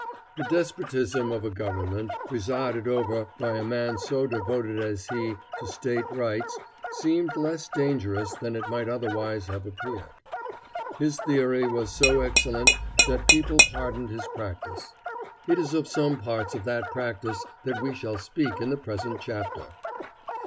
The despotism of a government presided over by a man so devoted as he to State rights seemed less dangerous than it might otherwise have appeared. His theory was so excellent that people pardoned his practice. It is of some parts of that practice that we shall speak in the present chapter.